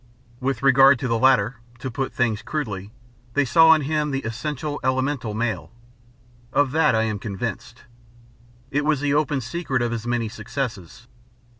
With regard to the latter to put things crudely they saw in him the essential, elemental male. Of that I am convinced. It was the open secret of his many successes.